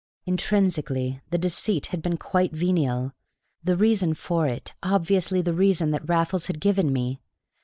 Intrinsically the deceit had been quite venial, the reason for it obviously the reason that Raffles had given me.